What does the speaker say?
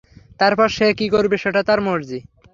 তারপর সে কী করবে সেটা তার মর্জি।